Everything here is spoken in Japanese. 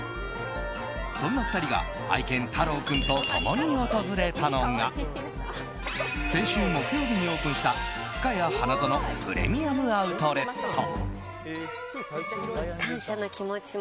そんな２人が愛犬タロウ君と共に訪れたのが先週木曜日にオープンしたふかや花園プレミアム・アウトレット。